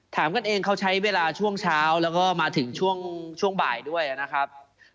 ถามกันเองเขาใช้เวลาช่วงเช้าแล้วก็มาถึงช่วงบ่ายด้วยนะครับ